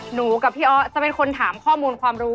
หนูกับพี่อ๊อสจะเป็นคนถามข้อมูลความรู้